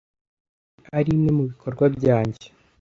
Ibi arimwe mubikorwa byanjye.